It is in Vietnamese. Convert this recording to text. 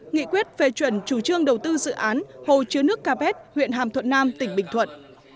nghị quyết về chuẩn chủ trương đầu tư dự án hồ chứa nước capet huyện hàm thuận nam tỉnh bình thuận